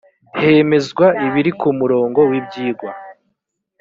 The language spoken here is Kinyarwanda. hemezwa ibiri ku murongo wibyigwa